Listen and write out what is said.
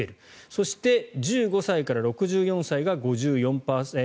そして１５歳から６４歳が５３％。